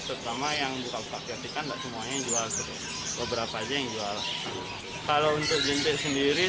pertama yang juga paket ikan dan semuanya jual beberapa aja yang jual kalau untuk jentik sendiri